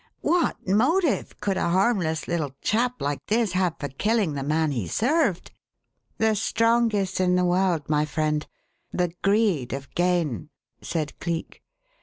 What motive could a harmless little chap like this have for killing the man he served?" "The strongest in the world, my friend the greed of gain!" said Cleek.